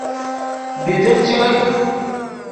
بی دل چوئے۔